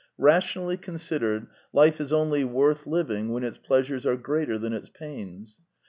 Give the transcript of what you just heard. Rationally considered, life is only worth living when its pleasures are greater than its pains.